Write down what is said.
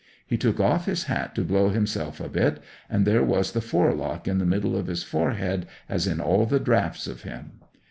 He took off his hat to blow himself a bit, and there was the forelock in the middle of his forehead, as in all the draughts of him.